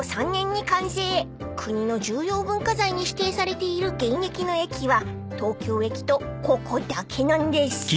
［国の重要文化財に指定されている現役の駅は東京駅とここだけなんです］